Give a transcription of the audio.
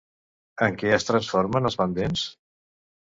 En què es transformen els pendents?